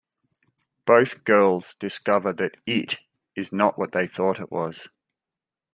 Both girls discover that "it" is not what they thought it was.